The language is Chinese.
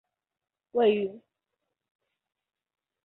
位于品川区南部。